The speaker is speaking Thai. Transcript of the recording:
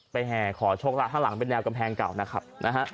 แห่ขอโชคลาภข้างหลังเป็นแนวกำแพงเก่านะครับนะฮะ